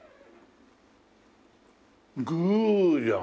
グーじゃん！